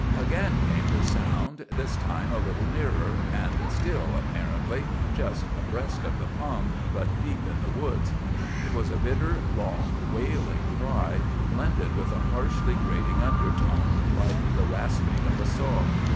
"Again came the sound, this time a little nearer, and still, apparently, just abreast of the pung, but deep in the woods. It was a bitter, long, wailing cry, blended with a harshly grating undertone, like the rasping of a saw.